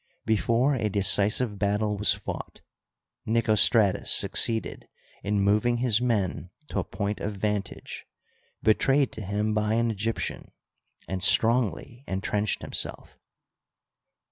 Before a decisive battle was fought, Nicostratus succeeded in moving his men to a point of vantage betrayed to him by an Egyptian, and strongly intrenched himself.